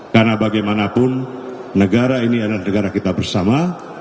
karena bagaimanapun negara ini adalah negara kita bersama